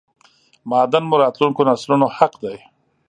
معادن مو راتلونکو نسلونو حق دی